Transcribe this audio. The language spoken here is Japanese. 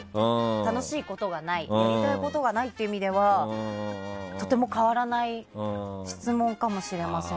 楽しいことがないやりたいことがないという意味ではとても変わらない質問かもしれません。